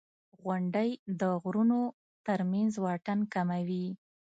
• غونډۍ د غرونو تر منځ واټن کموي.